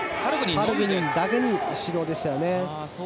カルグニンだけに指導でしたよね。